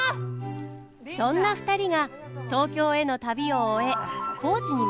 そんな２人が東京への旅を終え高知に戻ってきました。